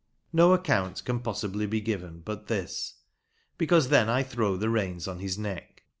No account can possibly be given but this, because then I throw the feins on his neck.